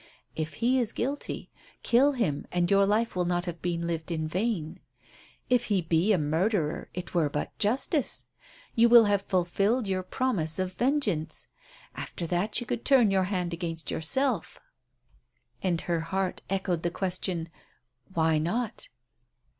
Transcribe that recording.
"If he is guilty, kill him, and your life will not have been lived in vain. If he be a murderer it were but justice. You will have fulfilled your promise of vengeance. After that you could turn your hand against yourself." And her heart echoed the question, "Why not?"